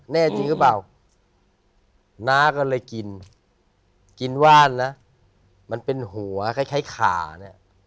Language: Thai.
แน่จริงหรือเปล่าน้าก็เลยกินกินว่านนะมันเป็นหัวคล้ายขาเนี่ย